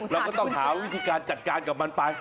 เราก็ต้องหาวิธีการจัดการกับมันไป